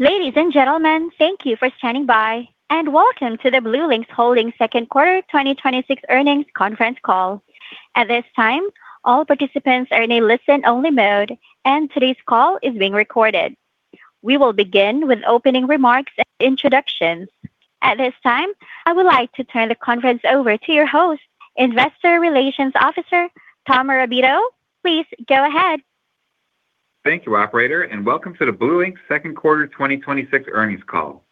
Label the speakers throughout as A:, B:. A: Ladies and gentlemen, thank you for standing by. Welcome to the BlueLinx Holdings second quarter 2026 earnings conference call. At this time, all participants are in a listen-only mode, and today's call is being recorded. We will begin with opening remarks and introductions. At this time, I would like to turn the conference over to your host, Investor Relations Officer, Tom Morabito. Please go ahead.
B: Thank you, operator. Welcome to the BlueLinx second quarter 2026 earnings call.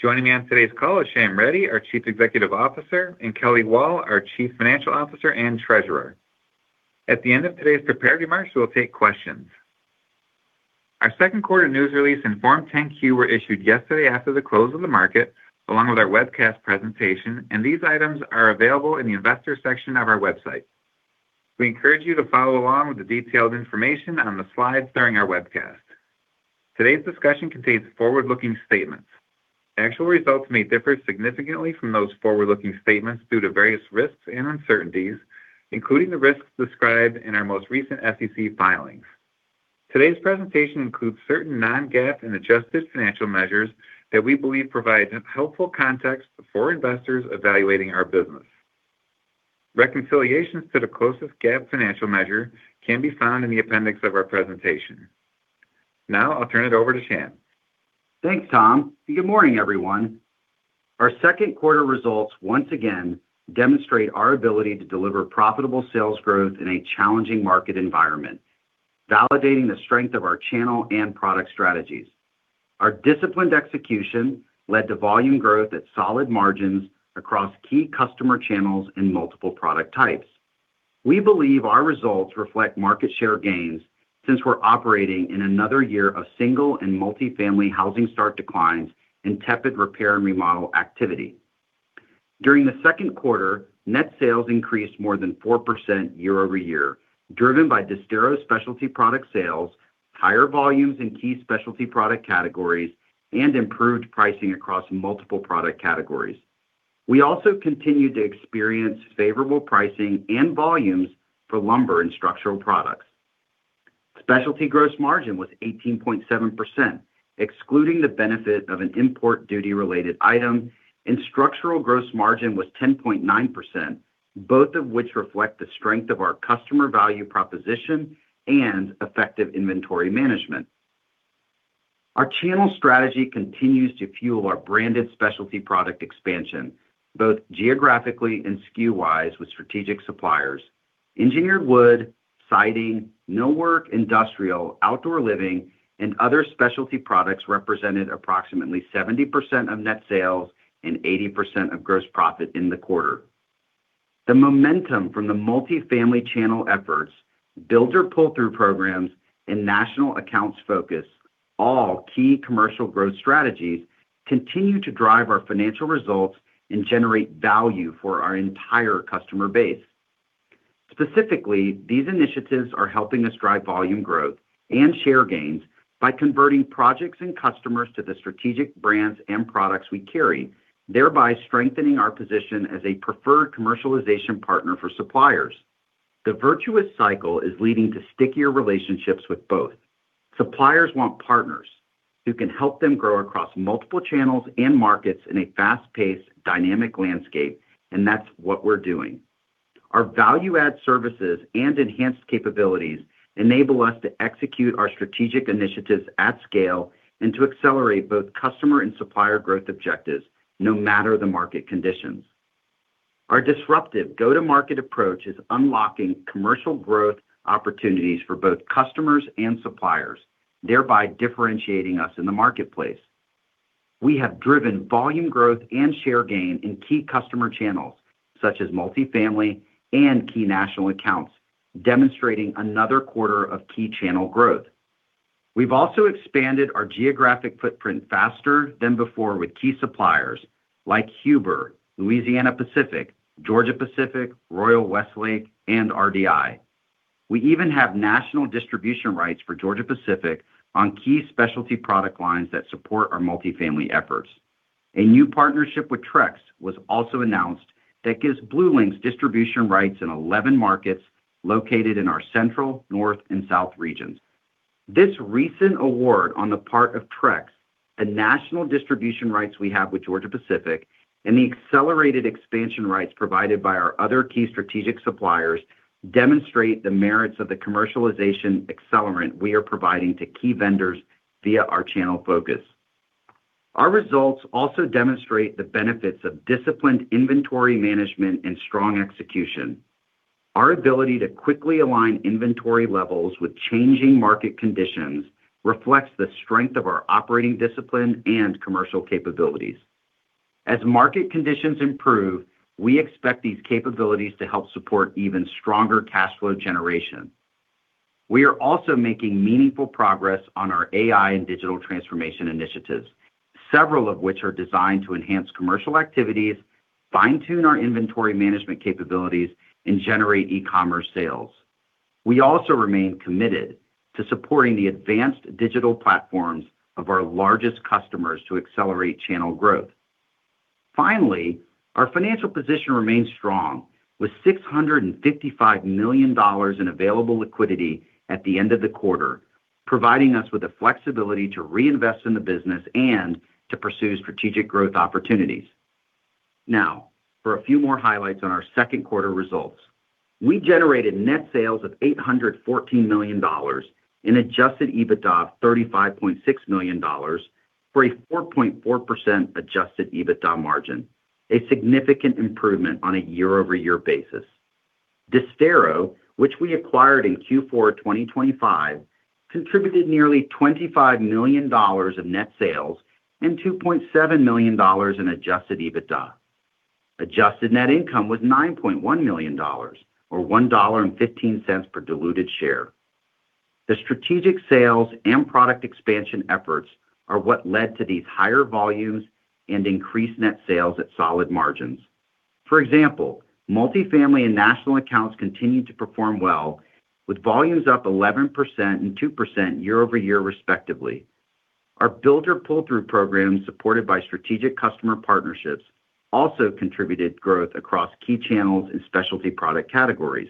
B: Joining me on today's call is Shyam Reddy, our Chief Executive Officer, and Kelly Wall, our Chief Financial Officer and Treasurer. At the end of today's prepared remarks, we'll take questions. Our second quarter news release and Form 10-Q were issued yesterday after the close of the market, along with our webcast presentation. These items are available in the Investors section of our website. We encourage you to follow along with the detailed information on the slides during our webcast. Today's discussion contains forward-looking statements. Actual results may differ significantly from those forward-looking statements due to various risks and uncertainties, including the risks described in our most recent SEC filings. Today's presentation includes certain Non-GAAP and adjusted financial measures that we believe provide helpful context for investors evaluating our business. Reconciliations to the closest GAAP financial measure can be found in the appendix of our presentation. Now, I'll turn it over to Shyam.
C: Thanks, Tom. Good morning, everyone. Our second quarter results once again demonstrate our ability to deliver profitable sales growth in a challenging market environment, validating the strength of our channel and product strategies. Our disciplined execution led to volume growth at solid margins across key customer channels and multiple product types. We believe our results reflect market share gains since we're operating in another year of single- and multi-family housing start declines and tepid repair and remodel activity. During the second quarter, net sales increased more than 4% year-over-year, driven by Disdero specialty product sales, higher volumes in key specialty product categories, and improved pricing across multiple product categories. We also continued to experience favorable pricing and volumes for lumber and structural products. Specialty gross margin was 18.7%, excluding the benefit of an import duty-related item, and structural gross margin was 10.9%, both of which reflect the strength of our customer value proposition and effective inventory management. Our channel strategy continues to fuel our branded specialty product expansion, both geographically and SKU-wise with strategic suppliers. Engineered wood, siding, no work industrial, outdoor living, and other specialty products represented approximately 70% of net sales and 80% of gross profit in the quarter. The momentum from the multi-family channel efforts, builder pull-through programs, and national accounts focus, all key commercial growth strategies, continue to drive our financial results and generate value for our entire customer base. Specifically, these initiatives are helping us drive volume growth and share gains by converting projects and customers to the strategic brands and products we carry, thereby strengthening our position as a preferred commercialization partner for suppliers. The virtuous cycle is leading to stickier relationships with both. Suppliers want partners who can help them grow across multiple channels and markets in a fast-paced, dynamic landscape; that's what we're doing. Our value-add services and enhanced capabilities enable us to execute our strategic initiatives at scale and to accelerate both customer and supplier growth objectives, no matter the market conditions. Our disruptive go-to-market approach is unlocking commercial growth opportunities for both customers and suppliers, thereby differentiating us in the marketplace. We have driven volume growth and share gain in key customer channels, such as multi-family and key national accounts, demonstrating another quarter of key channel growth. We've also expanded our geographic footprint faster than before with key suppliers like Huber, Louisiana-Pacific, Georgia-Pacific, Westlake Royal Building Products, and RDI. We even have national distribution rights for Georgia-Pacific on key specialty product lines that support our multi-family efforts. A new partnership with Trex was also announced that gives BlueLinx distribution rights in 11 markets located in our central, north, and south regions. This recent award on the part of Trex, the national distribution rights we have with Georgia-Pacific, and the accelerated expansion rights provided by our other key strategic suppliers demonstrate the merits of the commercialization accelerant we are providing to key vendors via our channel focus. Our results also demonstrate the benefits of disciplined inventory management and strong execution. Our ability to quickly align inventory levels with changing market conditions reflects the strength of our operating discipline and commercial capabilities. As market conditions improve, we expect these capabilities to help support even stronger cash flow generation. We are also making meaningful progress on our AI and digital transformation initiatives, several of which are designed to enhance commercial activities, fine-tune our inventory management capabilities, and generate e-commerce sales. We also remain committed to supporting the advanced digital platforms of our largest customers to accelerate channel growth. Finally, our financial position remains strong with $655 million in available liquidity at the end of the quarter, providing us with the flexibility to reinvest in the business and to pursue strategic growth opportunities. Now, for a few more highlights on our second quarter results. We generated net sales of $814 million in adjusted EBITDA of $35.6 million for a 4.4% adjusted EBITDA margin, a significant improvement on a year-over-year basis. Disdero, which we acquired in Q4 2025, contributed nearly $25 million of net sales and $2.7 million in adjusted EBITDA. Adjusted net income was $9.1 million or $1.15 per diluted share. The strategic sales and product expansion efforts are what led to these higher volumes and increased net sales at solid margins. For example, multifamily and national accounts continued to perform well, with volumes up 11% and 2% year-over-year, respectively. Our builder pull-through program, supported by strategic customer partnerships, also contributed growth across key channels and specialty product categories.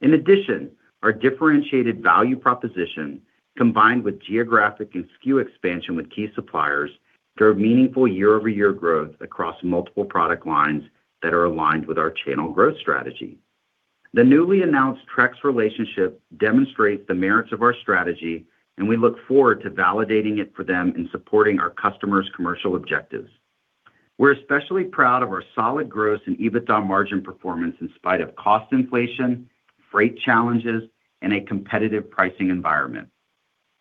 C: In addition, our differentiated value proposition, combined with geographic and SKU expansion with key suppliers, drove meaningful year-over-year growth across multiple product lines that are aligned with our channel growth strategy. The newly announced Trex relationship demonstrates the merits of our strategy, and we look forward to validating it for them in supporting our customers' commercial objectives. We're especially proud of our solid gross and EBITDA margin performance in spite of cost inflation, freight challenges, and a competitive pricing environment.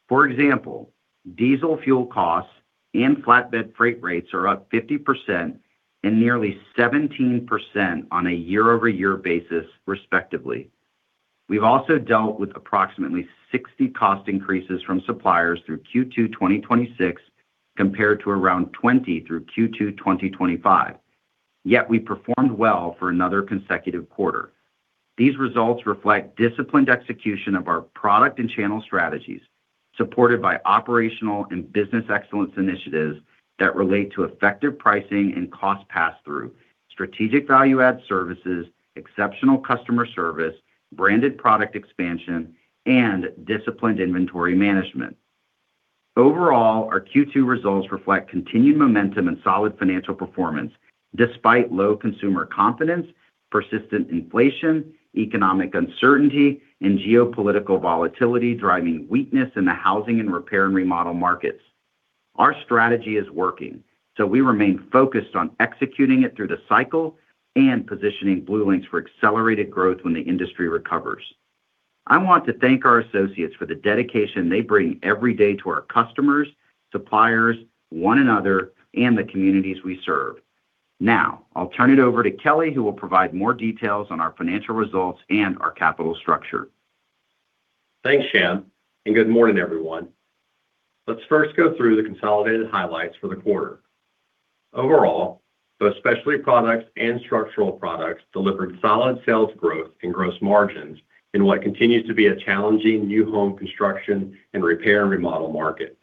C: For example, diesel fuel costs and flatbed freight rates are up 50% and nearly 17% on a year-over-year basis, respectively. We've also dealt with approximately 60 cost increases from suppliers through Q2 2026 compared to around 20 through Q2 2025, yet we performed well for another consecutive quarter. These results reflect disciplined execution of our product and channel strategies, supported by operational and business excellence initiatives that relate to effective pricing and cost passthrough, strategic value-add services, exceptional customer service, branded product expansion, and disciplined inventory management. Overall, our Q2 results reflect continued momentum and solid financial performance despite low consumer confidence, persistent inflation, economic uncertainty, and geopolitical volatility driving weakness in the housing and repair and remodel markets. We remain focused on executing it through the cycle and positioning BlueLinx for accelerated growth when the industry recovers. I want to thank our associates for the dedication they bring every day to our customers, suppliers, one another, and the communities we serve. Now, I'll turn it over to Kelly, who will provide more details on our financial results and our capital structure.
D: Thanks, Shyam, and good morning, everyone. Let's first go through the consolidated highlights for the quarter. Overall, both specialty products and structural products delivered solid sales growth and gross margins in what continues to be a challenging new home construction and repair and remodel market.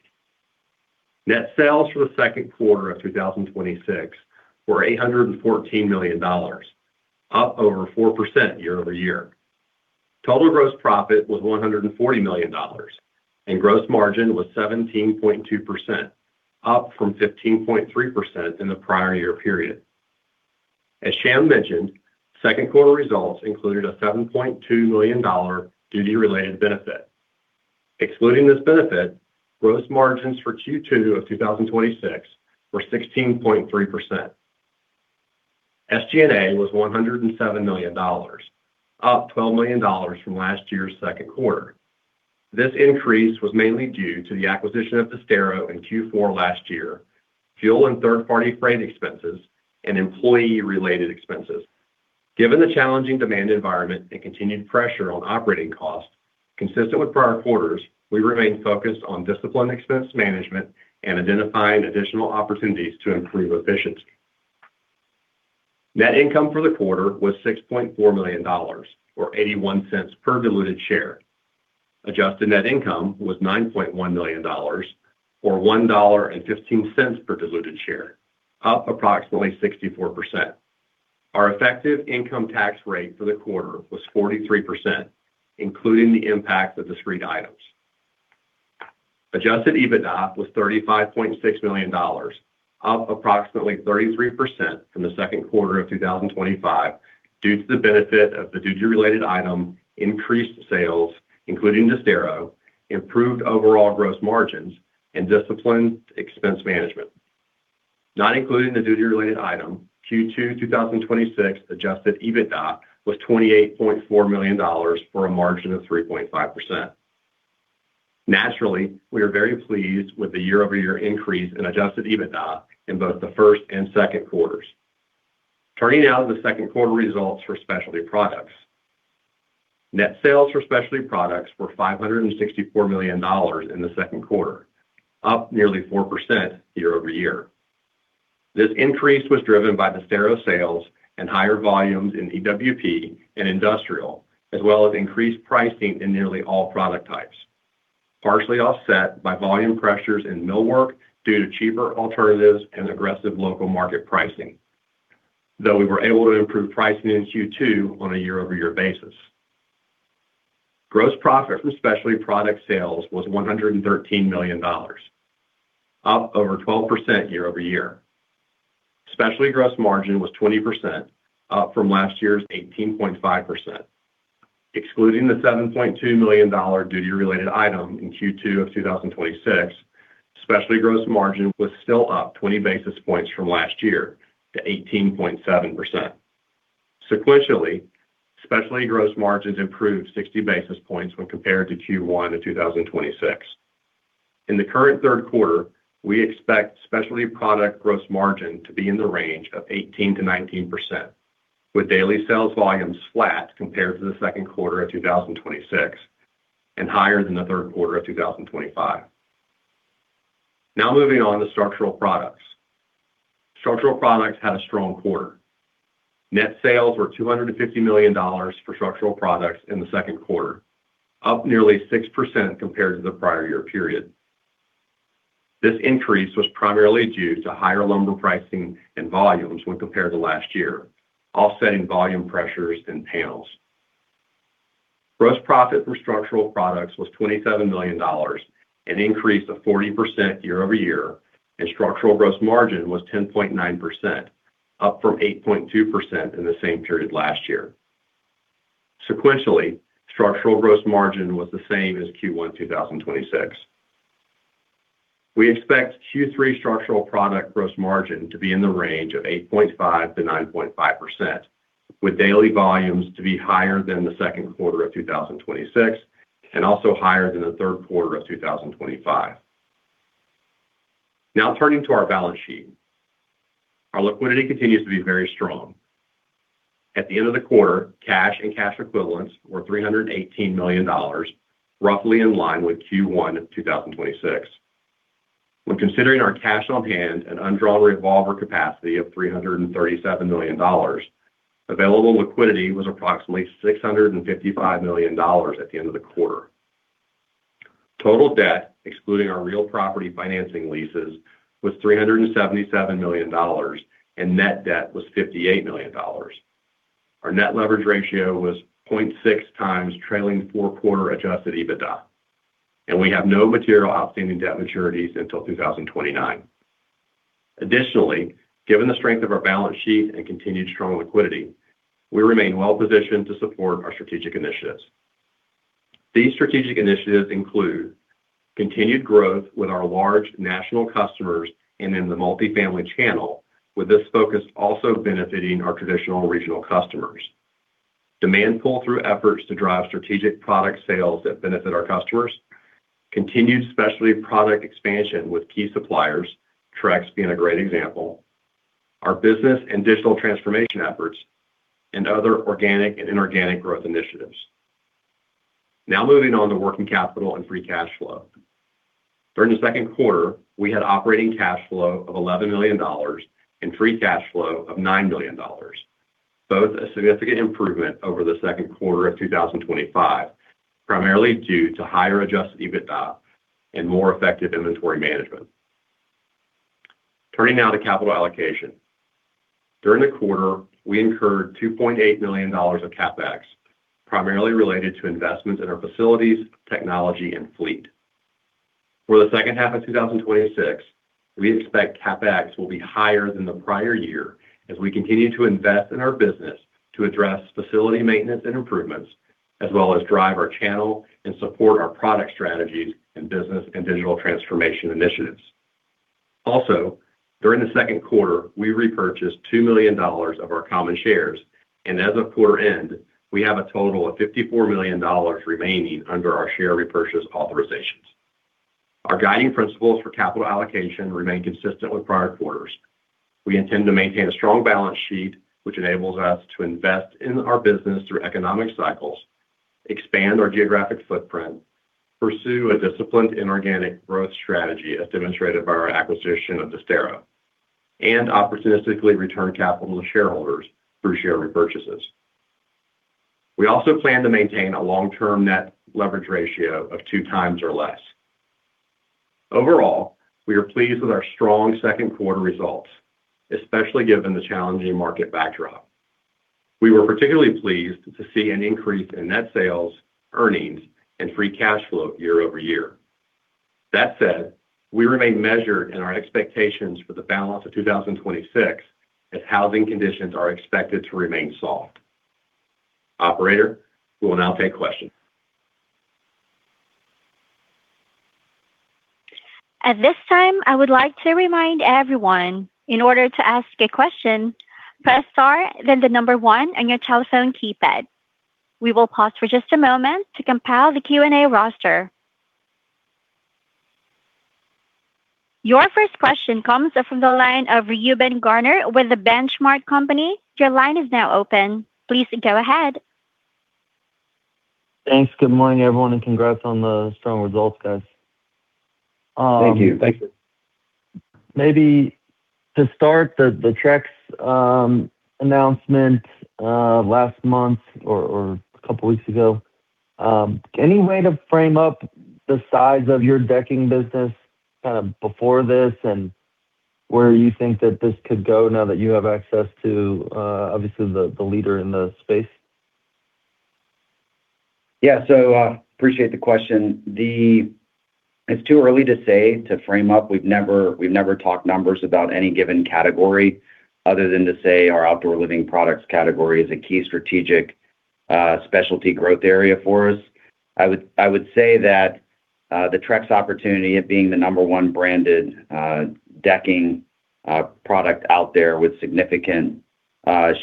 D: Net sales for the second quarter of 2026 were $814 million, up over 4% year-over-year. Total gross profit was $140 million, and gross margin was 17.2%, up from 15.3% in the prior year period. As Shyam mentioned, second quarter results included a $7.2 million duty-related benefit. Excluding this benefit, gross margins for Q2 of 2026 were 16.3%. SG&A was $107 million, up $12 million from last year's second quarter. This increase was mainly due to the acquisition of Disdero in Q4 last year, fuel and third-party freight expenses, and employee-related expenses. Given the challenging demand environment and continued pressure on operating costs, consistent with prior quarters, we remain focused on disciplined expense management and identifying additional opportunities to improve efficiency. Net income for the quarter was $6.4 million, or $0.81 per diluted share. Adjusted net income was $9.1 million, or $1.15 per diluted share, up approximately 64%. Our effective income tax rate for the quarter was 43%, including the impact of discrete items. Adjusted EBITDA was $35.6 million, up approximately 33% from the second quarter of 2025 due to the benefit of the duty-related item, increased sales, including Disdero, improved overall gross margins, and disciplined expense management. Not including the duty-related item, Q2 2026 adjusted EBITDA was $28.4 million, for a margin of 3.5%. Naturally, we are very pleased with the year-over-year increase in adjusted EBITDA in both the first and second quarters. Turning now to the second quarter results for specialty products. Net sales for specialty products were $564 million in the second quarter, up nearly 4% year-over-year. This increase was driven by Disdero sales and higher volumes in EWP and industrial, as well as increased pricing in nearly all product types. Partially offset by volume pressures in millwork due to cheaper alternatives and aggressive local market pricing. Though we were able to improve pricing in Q2 on a year-over-year basis. Gross profit from specialty product sales was $113 million, up over 12% year-over-year. Specialty gross margin was 20%, up from last year's 18.5%. Excluding the $7.2 million duty-related item in Q2 of 2026, specialty gross margin was still up 20 basis points from last year to 18.7%. Sequentially, specialty gross margins improved 60 basis points when compared to Q1 of 2026. In the current third quarter, we expect specialty product gross margin to be in the range of 18%-19%, with daily sales volumes flat compared to the second quarter of 2026 and higher than the third quarter of 2025. Now moving on to structural products. Structural products had a strong quarter. Net sales were $250 million for structural products in the second quarter, up nearly 6% compared to the prior year period. This increase was primarily due to higher lumber pricing and volumes when compared to last year, offsetting volume pressures in panels. Gross profit for structural products was $27 million, an increase of 40% year-over-year, and structural gross margin was 10.9%, up from 8.2% in the same period last year. Sequentially, structural gross margin was the same as Q1 2026. We expect Q3 structural product gross margin to be in the range of 8.5%-9.5%, with daily volumes to be higher than the second quarter of 2026, and also higher than the third quarter of 2025. Now turning to our balance sheet. Our liquidity continues to be very strong. At the end of the quarter, cash and cash equivalents were $318 million, roughly in line with Q1 2026. When considering our cash on hand and undrawn revolver capacity of $337 million, available liquidity was approximately $655 million at the end of the quarter. Total debt, excluding our real property financing leases, was $377 million, and net debt was $58 million. Our net leverage ratio was 0.6 times trailing four-quarter adjusted EBITDA, and we have no material outstanding debt maturities until 2029. Additionally, given the strength of our balance sheet and continued strong liquidity, we remain well-positioned to support our strategic initiatives. These strategic initiatives include continued growth with our large national customers and in the multifamily channel, with this focus also benefiting our traditional regional customers; demand pull-through efforts to drive strategic product sales that benefit our customers; continued specialty product expansion with key suppliers, Trex being a great example; our business and digital transformation efforts; and other organic and inorganic growth initiatives. Moving on to working capital and free cash flow. During the second quarter, we had operating cash flow of $11 million and free cash flow of $9 million. Both a significant improvement over the second quarter of 2025, primarily due to higher adjusted EBITDA and more effective inventory management. Turning now to capital allocation. During the quarter, we incurred $2.8 million of CapEx, primarily related to investments in our facilities, technology, and fleet. For the second half of 2026, we expect CapEx will be higher than the prior year as we continue to invest in our business to address facility maintenance and improvements, as well as drive our channel and support our product strategies and business and digital transformation initiatives. Also, during the second quarter, we repurchased $2 million of our common shares, and as of quarter end, we have a total of $54 million remaining under our share repurchase authorizations. Our guiding principles for capital allocation remain consistent with prior quarters. We intend to maintain a strong balance sheet, which enables us to invest in our business through economic cycles, expand our geographic footprint, pursue a disciplined inorganic growth strategy, as demonstrated by our acquisition of Astera, and opportunistically return capital to shareholders through share repurchases. We also plan to maintain a long-term net leverage ratio of two times or less. Overall, we are pleased with our strong second quarter results, especially given the challenging market backdrop. We were particularly pleased to see an increase in net sales, earnings, and free cash flow year-over-year. That said, we remain measured in our expectations for the balance of 2026, as housing conditions are expected to remain soft. Operator, we will now take questions.
A: At this time, I would like to remind everyone, in order to ask a question, press star, then the number one on your telephone keypad. We will pause for just a moment to compile the Q&A roster. Your first question comes from the line of Reuben Garner with The Benchmark Company. Your line is now open. Please go ahead.
E: Thanks. Good morning, everyone. Congrats on the strong results, guys.
C: Thank you.
E: Maybe to start, the Trex announcement last month or a couple of weeks ago. Any way to frame up the size of your decking business before this and where you think that this could go now that you have access to obviously the leader in the space?
C: Yeah. Appreciate the question. It's too early to say, to frame up. We've never talked numbers about any given category other than to say our outdoor living products category is a key strategic specialty growth area for us. I would say that the Trex opportunity, it being the number one branded decking product out there with significant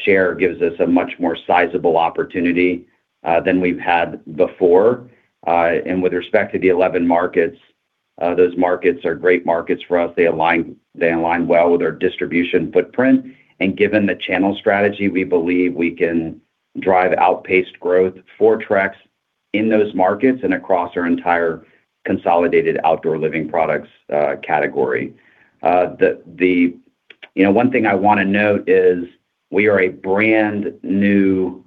C: share, gives us a much more sizable opportunity than we've had before. With respect to the 11 markets, those markets are great markets for us. They align well with our distribution footprint. Given the channel strategy, we believe we can drive outpaced growth for Trex in those markets and across our entire consolidated outdoor living products category. One thing I want to note is we are a brand-new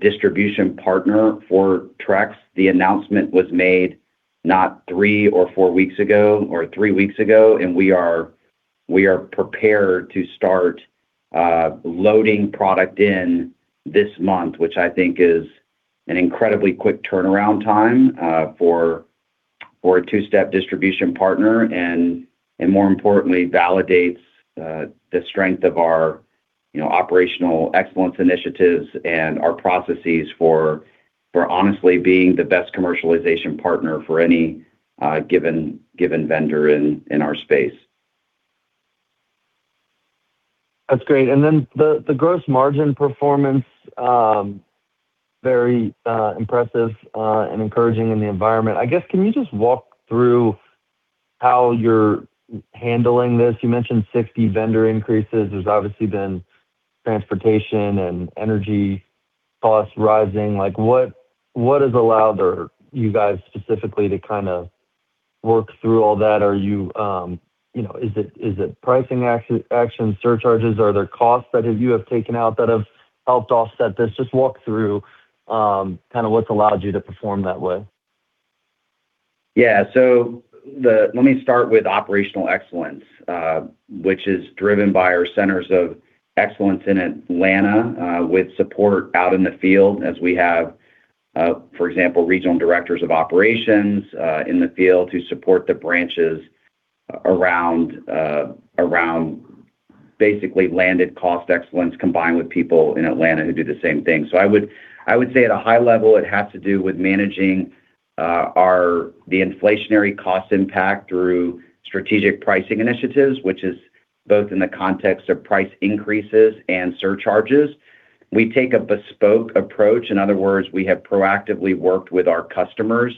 C: distribution partner for Trex. The announcement was made not three or four weeks ago, or three weeks ago. We are prepared to start loading product in this month, which I think is an incredibly quick turnaround time for a two-step distribution partner. More importantly, validates the strength of our operational excellence initiatives and our processes for honestly being the best commercialization partner for any given vendor in our space.
E: That's great. The gross margin performance, very impressive and encouraging in the environment. Can you just walk through how you're handling this? You mentioned 60 vendor increases. There's obviously been transportation and energy costs rising. What has allowed you guys specifically to kind of work through all that? Is it pricing action surcharges? Are there costs that you have taken out that have helped offset this? Just walk through what's allowed you to perform that way.
C: Let me start with operational excellence, which is driven by our centers of excellence in Atlanta with support out in the field, as we have, for example, regional directors of operations in the field who support the branches around basically landed cost excellence, combined with people in Atlanta who do the same thing. I would say at a high level, it has to do with managing the inflationary cost impact through strategic pricing initiatives, which is both in the context of price increases and surcharges. We take a bespoke approach. In other words, we have proactively worked with our customers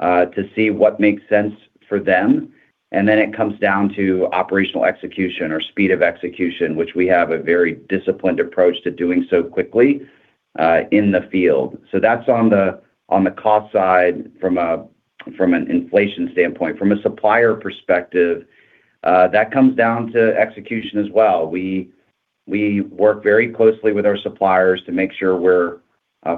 C: to see what makes sense for them. It comes down to operational execution or speed of execution, which we have a very disciplined approach to doing so quickly in the field. That's on the cost side from an inflation standpoint. From a supplier perspective, that comes down to execution as well. We work very closely with our suppliers to make sure we're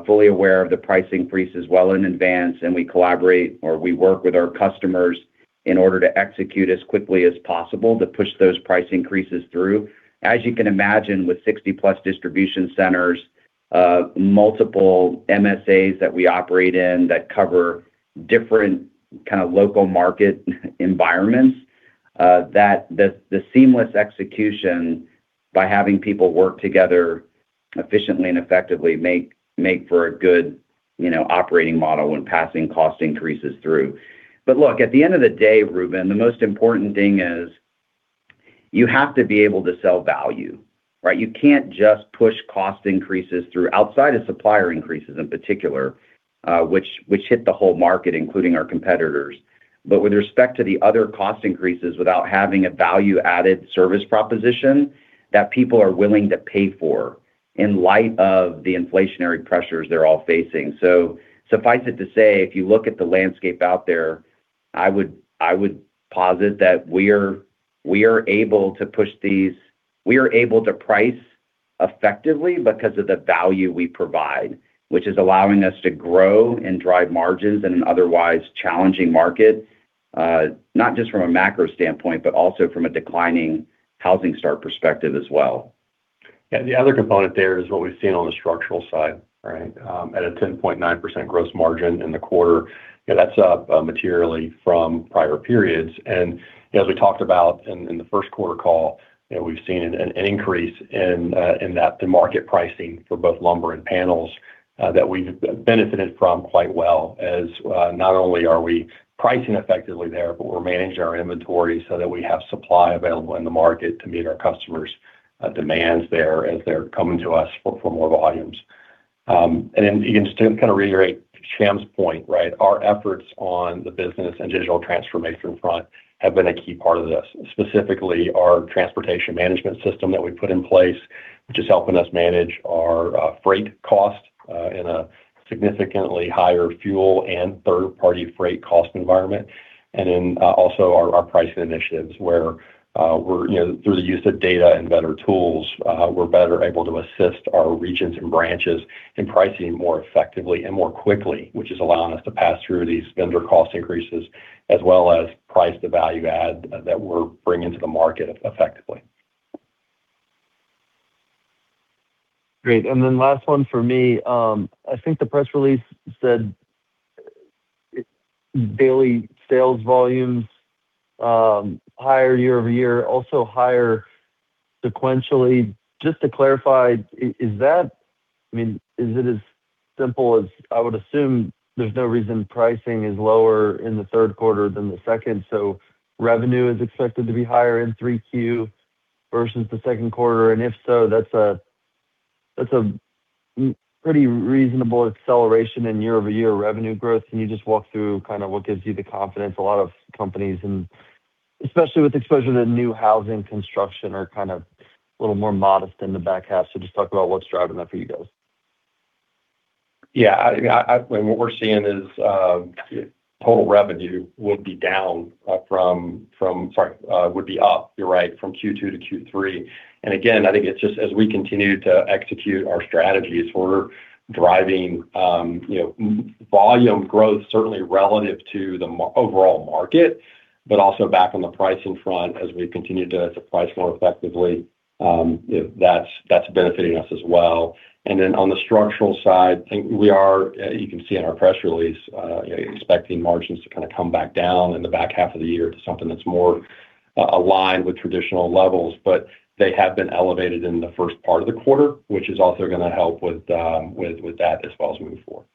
C: fully aware of the price increases well in advance. We collaborate, or we work with our customers, in order to execute as quickly as possible to push those price increases through. As you can imagine, with 60+ distribution centers, multiple MSAs that we operate in that cover different kind of local market environments, the seamless execution by having people work together efficiently and effectively make for a good operating model when passing cost increases through. Look, at the end of the day, Reuben, the most important thing is you have to be able to sell value, right? You can't just push cost increases through outside of supplier increases in particular, which hit the whole market, including our competitors. With respect to the other cost increases, without having a value-added service proposition that people are willing to pay for in light of the inflationary pressures they're all facing. Suffice it to say, if you look at the landscape out there, I would posit that we are able to price effectively because of the value we provide, which is allowing us to grow and drive margins in an otherwise challenging market, not just from a macro standpoint, but also from a declining housing start perspective as well.
D: The other component there is what we've seen on the structural side, right? At a 10.9% gross margin in the quarter, that's up materially from prior periods. As we talked about in the first quarter call, we've seen an increase in the market pricing for both lumber and panels that we've benefited from quite well, as not only are we pricing effectively there, but we're managing our inventory so that we have supply available in the market to meet our customers' demands there as they're coming to us for more volumes. Just to kind of reiterate to Shyam's point, right? Our efforts on the business and digital transformation front have been a key part of this, specifically our transportation management system that we put in place, which is helping us manage our freight costs in a significantly higher fuel and third-party freight cost environment. Also our pricing initiatives, through the use of data and better tools, we're better able to assist our regions and branches in pricing more effectively and more quickly, which is allowing us to pass through these vendor cost increases as well as price the value add that we're bringing to the market effectively.
E: Great. Last one for me. I think the press release said daily sales volumes higher year-over-year, also higher sequentially. Just to clarify, is it as simple as I would assume there's no reason pricing is lower in the third quarter than the second, so revenue is expected to be higher in 3Q versus the second quarter, and if so, that's a pretty reasonable acceleration in year-over-year revenue growth. Can you just walk through what gives you the confidence? A lot of companies, and especially with exposure to new housing construction, are a little more modest in the back half. Just talk about what's driving that for you guys.
D: What we're seeing is total revenue would be up from Q2-Q3. I think it's just as we continue to execute our strategies, we're driving volume growth certainly relative to the overall market, but also back on the pricing front as we continue to price more effectively. That's benefiting us as well. On the structural side, you can see in our press release, expecting margins to come back down in the back half of the year to something that's more aligned with traditional levels. They have been elevated in the first part of the quarter, which is also going to help with that as well as moving forward.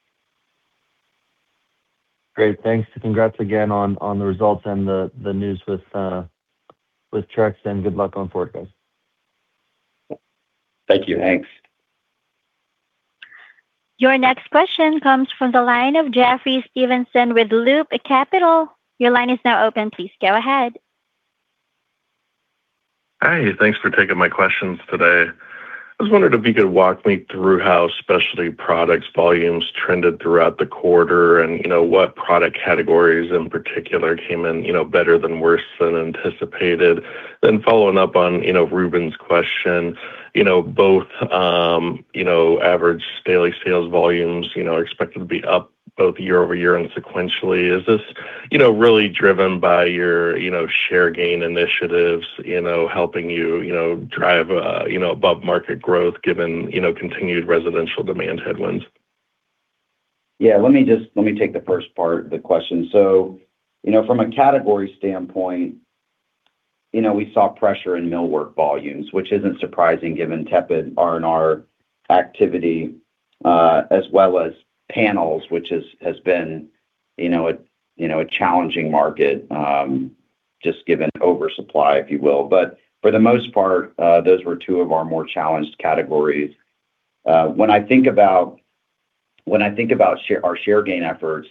E: Great. Thanks. Congrats again on the results and the news with Trex, and good luck on forward, guys.
D: Thank you.
C: Thanks.
A: Your next question comes from the line of Jeffrey Stevenson with Loop Capital. Your line is now open. Please go ahead.
F: Hi, thanks for taking my questions today. I was wondering if you could walk me through how specialty products volumes trended throughout the quarter and what product categories in particular came in better than worse than anticipated. Following up on Reuben's question, both average daily sales volumes expected to be up both year-over-year and sequentially. Is this really driven by your share gain initiatives helping you drive above-market growth given continued residential demand headwinds?
C: Yeah, let me take the first part of the question. From a category standpoint, we saw pressure in millwork volumes, which isn't surprising given tepid R&R activity, as well as panels, which has been a challenging market, just given oversupply, if you will. For the most part, those were two of our more challenged categories. When I think about our share gain efforts,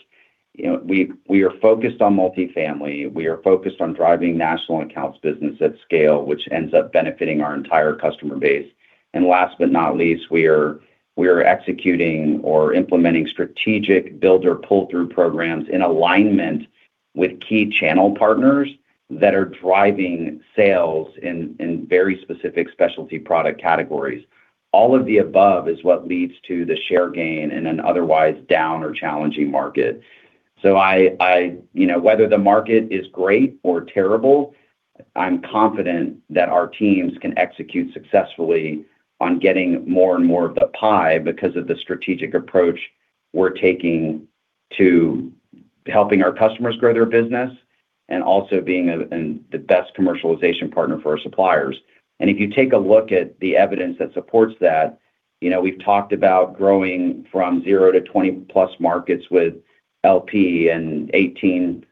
C: we are focused on multi-family. We are focused on driving national accounts business at scale, which ends up benefiting our entire customer base. Last but not least, we are executing or implementing strategic builder pull-through programs in alignment with key channel partners that are driving sales in very specific specialty product categories. All of the above is what leads to the share gain in an otherwise down or challenging market. Whether the market is great or terrible, I'm confident that our teams can execute successfully on getting more and more of the pie because of the strategic approach we're taking to helping our customers grow their business, and also being the best commercialization partner for our suppliers. If you take a look at the evidence that supports that, we've talked about growing from zero to 20+ markets with LP in 18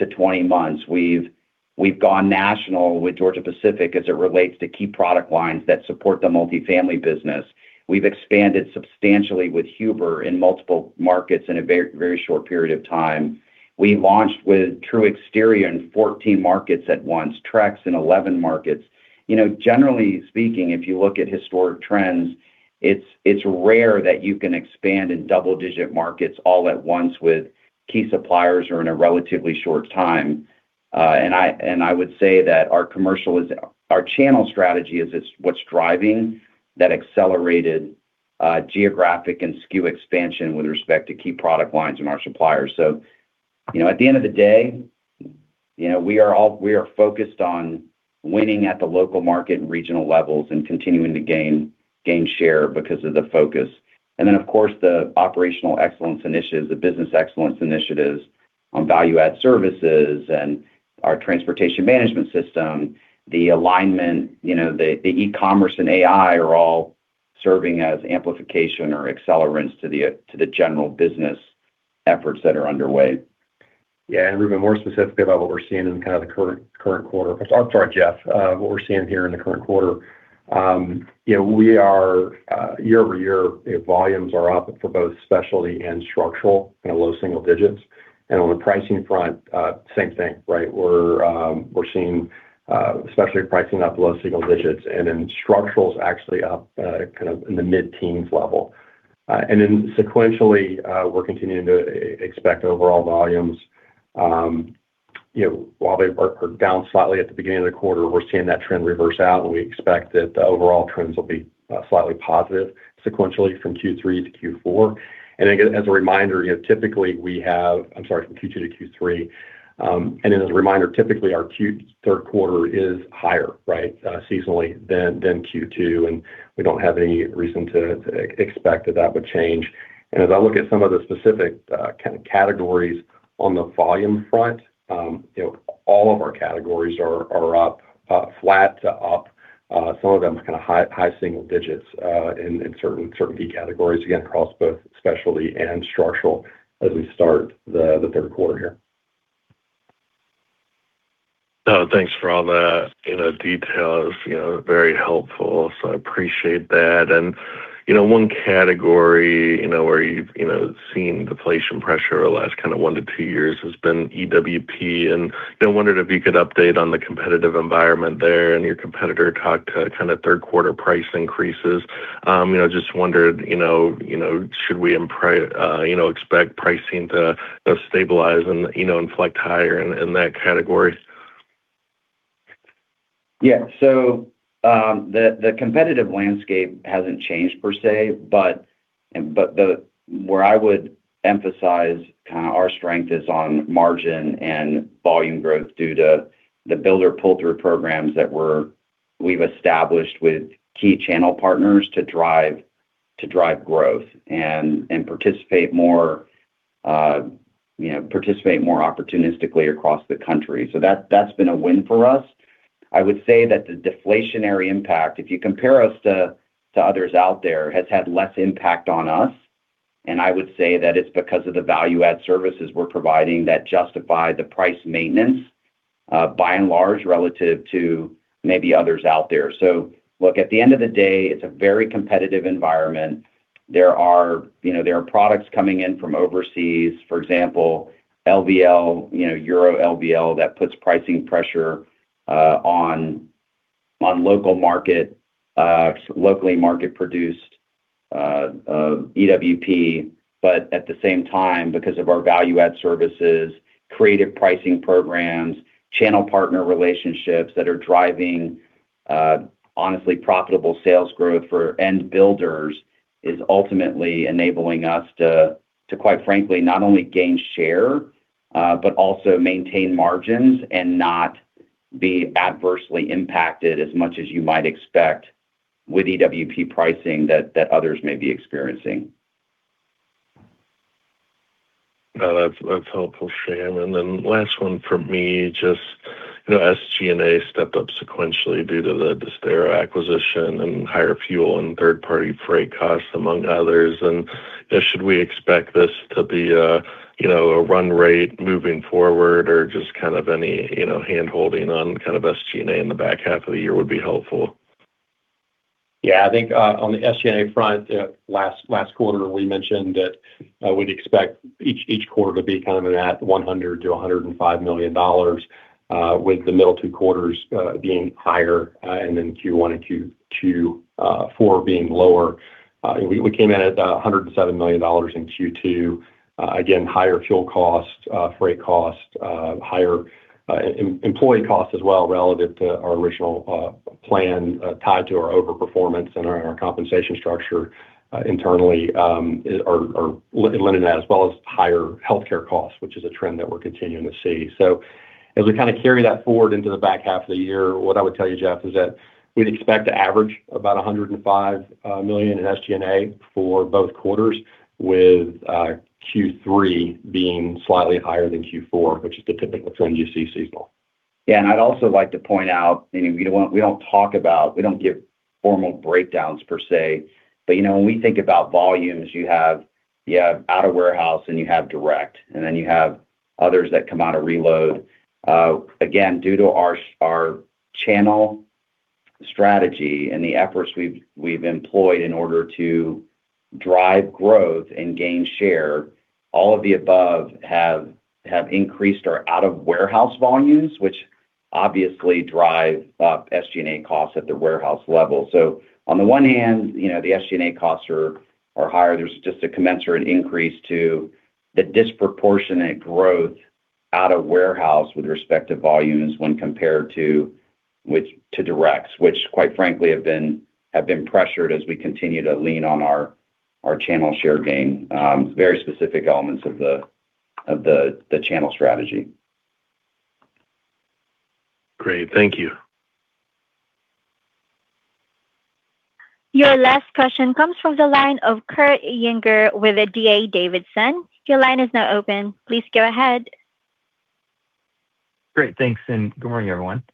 C: months-20 months. We've gone national with Georgia-Pacific as it relates to key product lines that support the multi-family business. We've expanded substantially with Huber in multiple markets in a very short period of time. We launched with TruExterior in 14 markets at once, Trex in 11 markets. Generally speaking, if you look at historic trends, it's rare that you can expand in double-digit markets all at once with key suppliers or in a relatively short time. I would say that our channel strategy is what's driving that accelerated geographic and SKU expansion with respect to key product lines and our suppliers. At the end of the day, we are focused on winning at the local market and regional levels and continuing to gain share because of the focus. Then, of course, the operational excellence initiatives, the business excellence initiatives on value-add services and our transportation management system, the alignment, the e-commerce, and AI are all serving as amplification or accelerants to the general business efforts that are underway.
D: Yeah. Reuben, more specifically about what we're seeing in the current quarter. Sorry, Jeff. What we're seeing here in the current quarter. Year-over-year, volumes are up for both specialty and structural in low single digits. On the pricing front, same thing, right? We're seeing specialty pricing up low single digits, and then structural's actually up in the mid-teens level. Sequentially, we're continuing to expect overall volumes. While they are down slightly at the beginning of the quarter, we're seeing that trend reverse out, and we expect that the overall trends will be slightly positive sequentially from Q3-Q4. As a reminder, typically we have I'm sorry, from Q2-Q3. As a reminder, typically our third quarter is higher, right, seasonally than Q2, and we don't have any reason to expect that that would change. As I look at some of the specific kind of categories on the volume front, all of our categories are up, flat to up. Some of them is kind of high single digits in certain key categories, again, across both specialty and structural as we start the third quarter here.
F: Oh, thanks for all the details. Very helpful. I appreciate that. One category where you've seen deflation pressure over the last one to two years has been EWP, and been wondering if you could update on the competitive environment there and your competitor talked to kind of third quarter price increases. Just wondered, should we expect pricing to stabilize and inflect higher in that category?
C: Yeah. The competitive landscape hasn't changed per se, but where I would emphasize our strength is on margin and volume growth due to the builder pull-through programs that we've established with key channel partners to drive growth and participate more opportunistically across the country. That's been a win for us. I would say that the deflationary impact, if you compare us to others out there, has had less impact on us, and I would say that it's because of the value-add services we're providing that justify the price maintenance, by and large, relative to maybe others out there. Look, at the end of the day, it's a very competitive environment. There are products coming in from overseas, for example, LVL, Euro LVL, that puts pricing pressure on locally market-produced EWP. At the same time, because of our value-add services, creative pricing programs, channel partner relationships that are driving honestly profitable sales growth for end builders is ultimately enabling us to, quite frankly, not only gain share, also maintain margins and not be adversely impacted as much as you might expect with EWP pricing that others may be experiencing.
F: That's helpful, Shyam. Last one from me, just, SG&A stepped up sequentially due to the Disdero acquisition and higher fuel and third-party freight costs, among others. Should we expect this to be a run rate moving forward, or just any hand-holding on SG&A in the back half of the year would be helpful.
D: On the SG&A front, last quarter, we mentioned that we'd expect each quarter to be at $100 million-$105 million, with the middle two quarters being higher, Q1 and Q4 being lower. We came in at $107 million in Q2. Again, higher fuel costs, freight costs, higher employee costs as well, relative to our original plan, tied to our overperformance and our compensation structure internally are limited as well as higher healthcare costs, which is a trend that we're continuing to see. As we carry that forward into the back half of the year, what I would tell you, Jeff, is that we'd expect to average about $105 million in SG&A for both quarters, with Q3 being slightly higher than Q4, which is the typical trend you see seasonal.
C: I'd also like to point out, we don't give formal breakdowns per se. When we think about volumes, you have out of warehouse and you have direct, then you have others that come out of reload. Due to our channel strategy and the efforts we've employed in order to drive growth and gain share, all of the above have increased our out-of-warehouse volumes, which obviously drive up SG&A costs at the warehouse level. On the one hand, the SG&A costs are higher. There's just a commensurate increase to the disproportionate growth out-of-warehouse with respect to volumes when compared to directs, which, quite frankly, have been pressured as we continue to lean on our channel share gain. Very specific elements of the channel strategy.
F: Great. Thank you.
A: Your last question comes from the line of Kurt Yinger with the D.A. Davidson. Your line is now open. Please go ahead.
G: Great. Thanks. Good morning, everyone.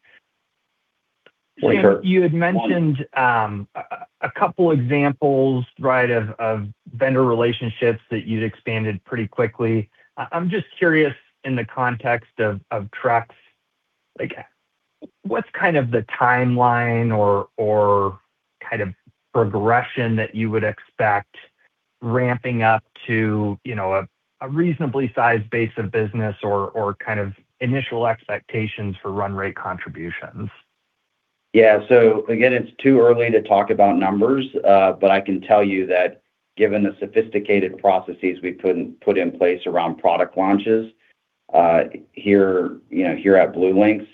D: Good morning, Kurt.
G: You had mentioned a couple examples, right, of vendor relationships that you'd expanded pretty quickly. I'm just curious, in the context of trucks, what's the timeline or progression that you would expect ramping up to a reasonably sized base of business or initial expectations for run rate contributions?
C: Yeah. Again, it's too early to talk about numbers. I can tell you that given the sophisticated processes we've put in place around product launches here at BlueLinx,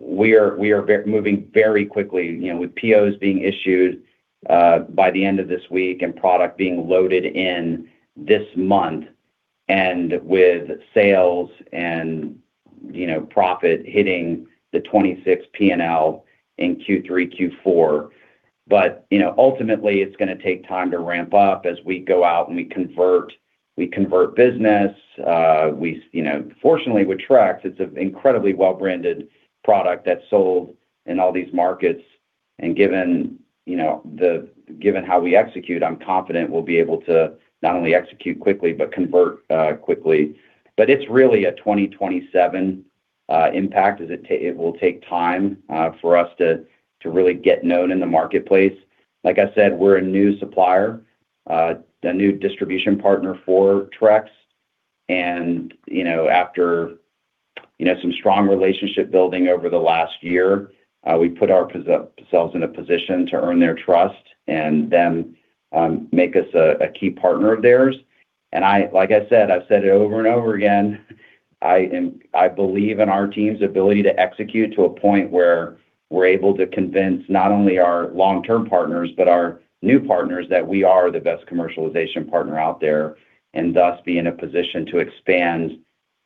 C: we are moving very quickly, with POs being issued by the end of this week, and product being loaded in this month, and with sales and profit hitting the 26 P&L in Q3, Q4. Ultimately, it's going to take time to ramp up as we go out and we convert business. Fortunately with Trex, it's an incredibly well-branded product that's sold in all these markets. Given how we execute, I'm confident we'll be able to not only execute quickly but convert quickly. It's really a 2027 impact, as it will take time for us to really get known in the marketplace. Like I said, we're a new supplier, a new distribution partner for Trex. After some strong relationship building over the last year, we put ourselves in a position to earn their trust and them make us a key partner of theirs. Like I said, I've said it over and over again, I believe in our team's ability to execute to a point where we're able to convince not only our long-term partners, but our new partners, that we are the best commercialization partner out there, and thus be in a position to expand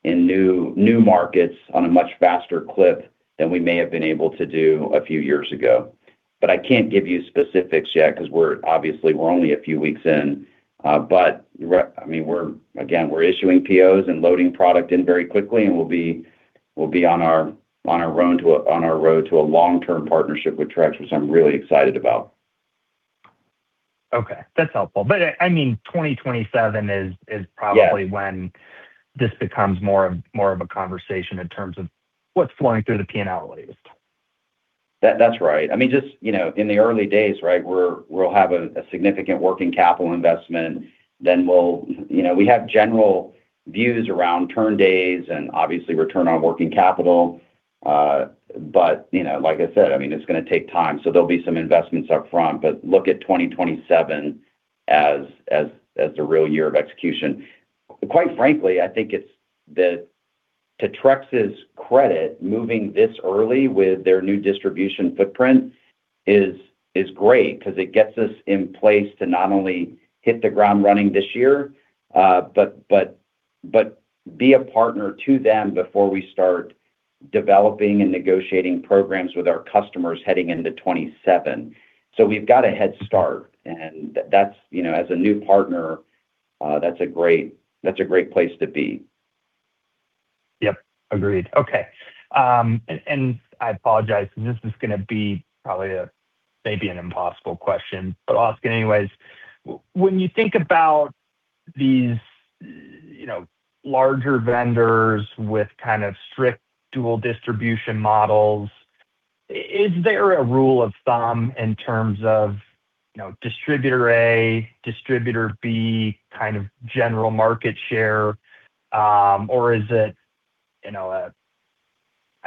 C: in new markets on a much faster clip than we may have been able to do a few years ago. I can't give you specifics yet, because obviously we're only a few weeks in. Again, we're issuing POs and loading product in very quickly, and we'll be on our road to a long-term partnership with Trex, which I'm really excited about.
G: Okay, that's helpful. 2027 is probably-
C: Yeah.
G: when this becomes more of a conversation in terms of what's flowing through the P&L at least.
C: That's right. In the early days, we'll have a significant working capital investment. We have general views around turn days and obviously return on working capital. Like I said, it's going to take time. There'll be some investments up front, but look at 2027 as the real year of execution. Quite frankly, I think to Trex's credit, moving this early with their new distribution footprint is great because it gets us in place to not only hit the ground running this year, but be a partner to them before we start developing and negotiating programs with our customers heading into 2027. We've got a head start, and as a new partner, that's a great place to be.
G: Yep, agreed. Okay. I apologize because this is going to be probably maybe an impossible question, but I'll ask anyways. When you think about these larger vendors with kind of strict dual distribution models, is there a rule of thumb in terms of Distributor A, Distributor B kind of general market share? Is it, I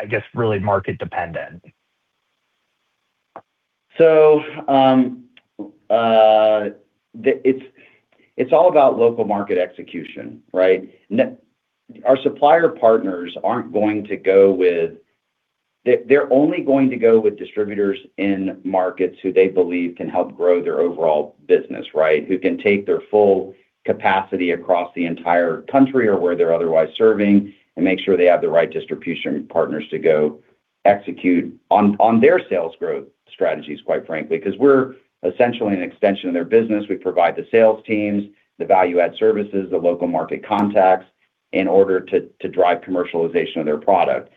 G: guess, really market dependent?
C: It's all about local market execution, right? Our supplier partners, they're only going to go with distributors in markets who they believe can help grow their overall business. Who can take their full capacity across the entire country or where they're otherwise serving and make sure they have the right distribution partners to go execute on their sales growth strategies, quite frankly? Because we're essentially an extension of their business. We provide the sales teams, the value-add services, the local market contacts in order to drive commercialization of their product.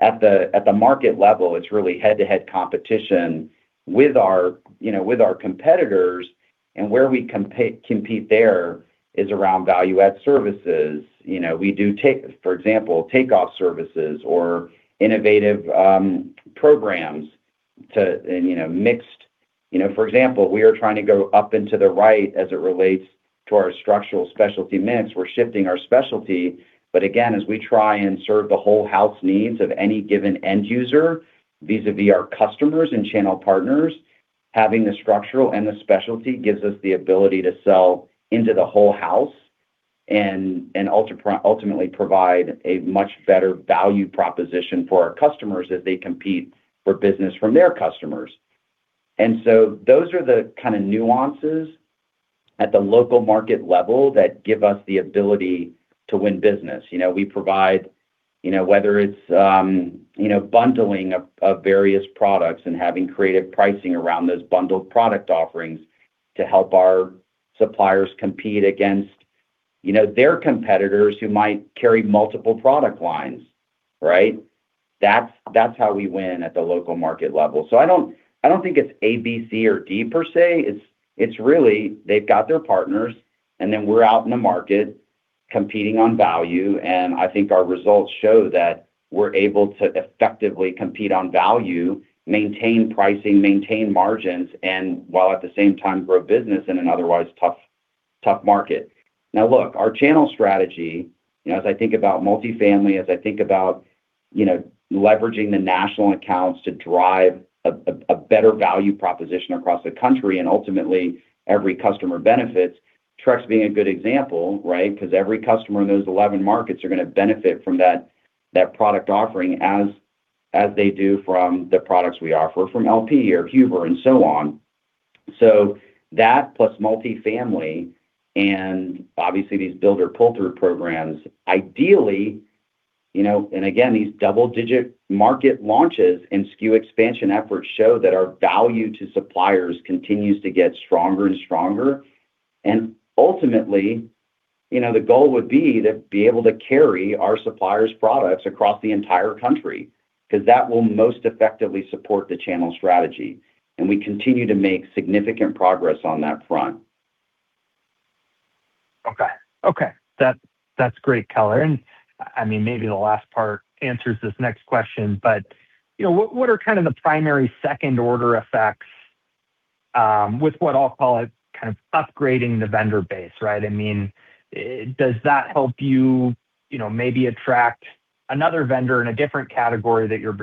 C: At the market level, it's really head-to-head competition with our competitors, where we compete; there is around value-add services. We do, for example, take off services or innovative programs. For example, we are trying to go up and to the right as it relates to our structural specialty mix. We're shifting our specialty. Again, as we try and serve the whole house needs of any given end user, vis-à-vis our customers and channel partners, having the structural and the specialty gives us the ability to sell into the whole house and ultimately provide a much better value proposition for our customers as they compete for business from their customers. Those are the kind of nuances at the local market level that give us the ability to win business. We provide, whether it's bundling of various products and having creative pricing around those bundled product offerings to help our suppliers compete against their competitors who might carry multiple product lines. That's how we win at the local market level. I don't think it's A, B, C, or D per se. It's really, they've got their partners, and then we're out in the market competing on value, and I think our results show that we're able to effectively compete on value, maintain pricing, maintain margins, and while at the same time, grow business in an otherwise tough market. Look, our channel strategy, as I think about multifamily, as I think about leveraging the national accounts to drive a better value proposition across the country, and ultimately every customer benefits, Trex being a good example, right? Because every customer in those 11 markets are going to benefit from that product offering as they do from the products we offer from LP or Huber and so on. That plus multi-family and obviously these builder pull-through programs, ideally, and again, these double-digit market launches and SKU expansion efforts show that our value to suppliers continues to get stronger and stronger. Ultimately, the goal would be to be able to carry our suppliers' products across the entire country, because that will most effectively support the channel strategy. We continue to make significant progress on that front.
G: Okay. That's great color. Maybe the last part answers this next question, but what are kind of the primary second-order effects with what I'll call it kind of upgrading the vendor base, right? Does that help you maybe attract another vendor in a different category that you've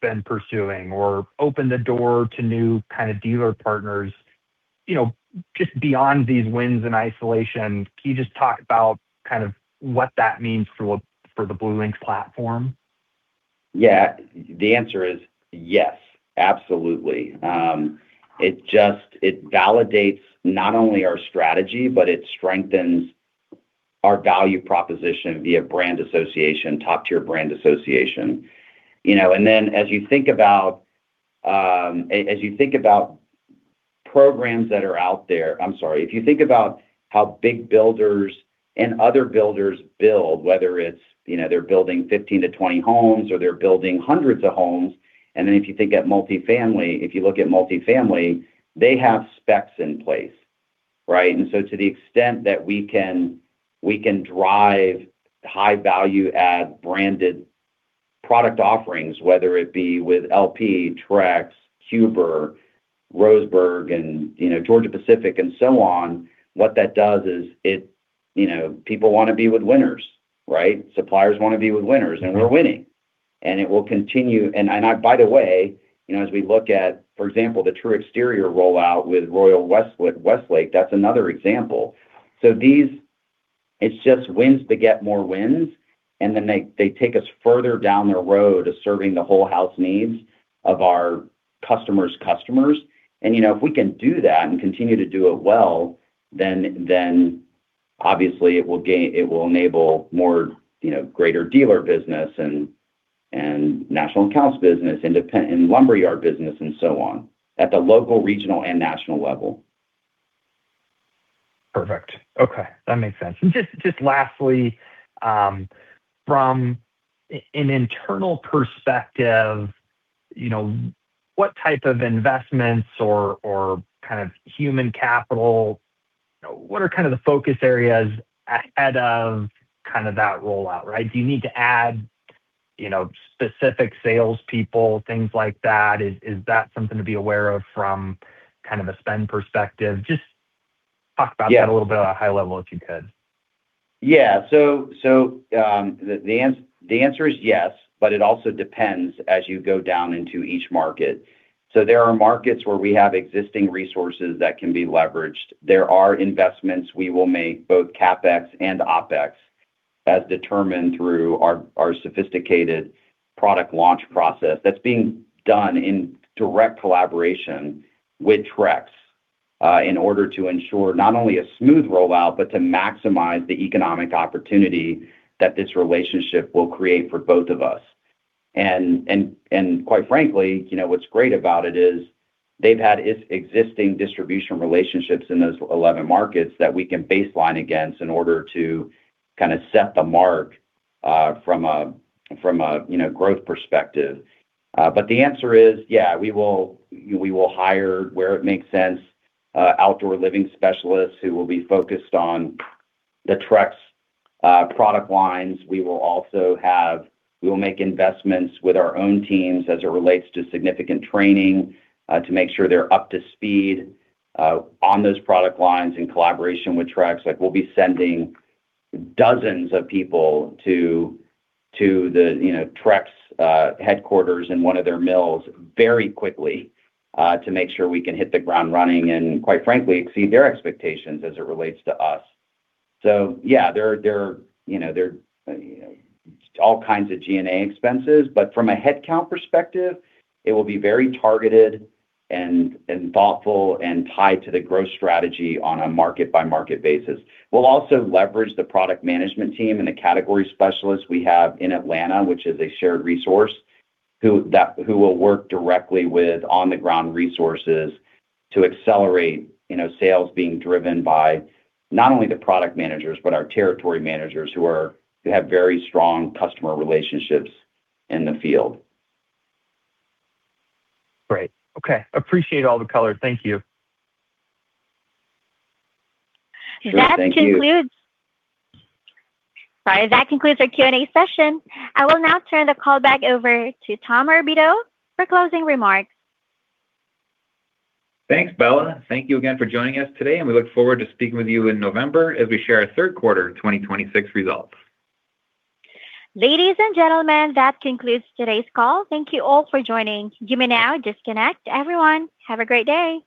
G: been pursuing or open the door to new kind of dealer partner? Just beyond these wins in isolation, can you just talk about kind of what that means for the BlueLinx platform?
C: Yeah. The answer is yes, absolutely. It validates not only our strategy, but it strengthens our value proposition via brand association, top-tier brand association. As you think about programs that are out there, I'm sorry. If you think about how big builders and other builders build, whether it's they're building 15-20 homes or they're building hundreds of homes, then if you think at multifamily, if you look at multifamily, they have specs in place, right? To the extent that we can drive high-value-added branded product offerings, whether it be with LP, Trex, Huber, Roseburg, and Georgia-Pacific, and so on, what that does is people want to be with winners, right? Suppliers want to be with winners, and we're winning. It will continue. By the way, as we look at, for example, the TruExterior rollout with Royal Westlake, that's another example. It's just wins to get more wins; they take us further down the road of serving the whole house needs of our customers' customers. If we can do that and continue to do it well, obviously it will enable more greater dealer business and national accounts business, and lumberyard business, and so on at the local, regional, and national level.
G: Perfect. Okay. That makes sense. Just lastly, from an internal perspective, what type of investments or human capital? What are the focus areas ahead of that rollout, right? Do you need to add specific salespeople, things like that? Is that something to be aware of from a spend perspective? Just talk about that a little bit at a high level, if you could.
C: Yeah. The answer is yes, it also depends as you go down into each market. There are markets where we have existing resources that can be leveraged. There are investments we will make both CapEx and OpEx as determined through our sophisticated product launch process that's being done in direct collaboration with Trex, in order to ensure not only a smooth rollout, but to maximize the economic opportunity that this relationship will create for both of us. Quite frankly, what's great about it is they've had existing distribution relationships in those 11 markets that we can baseline against in order to set the mark from a growth perspective. The answer is, yeah, we will hire where it makes sense, outdoor living specialists who will be focused on the Trex product lines. We will make investments with our own teams as it relates to significant training, to make sure they're up to speed on those product lines in collaboration with Trex. We'll be sending dozens of people to the Trex headquarters in one of their mills very quickly, to make sure we can hit the ground running and quite frankly, exceed their expectations as it relates to us. Yeah, there are all kinds of G&A expenses, but from a headcount perspective, it will be very targeted and thoughtful and tied to the growth strategy on a market-by-market basis. We'll also leverage the product management team and the category specialists we have in Atlanta, which is a shared resource, who will work directly with on-the-ground resources to accelerate sales being driven by not only the product managers, but our territory managers, who have very strong customer relationships in the field.
G: Great. Okay. Appreciate all the color. Thank you.
C: Sure. Thank you.
A: That concludes our Q&A session. I will now turn the call back over to Tom Morabito for closing remarks.
B: Thanks, Bella. Thank you again for joining us today, and we look forward to speaking with you in November as we share our third quarter 2026 results.
A: Ladies and gentlemen, that concludes today's call. Thank you all for joining. You may now disconnect. Everyone, have a great day.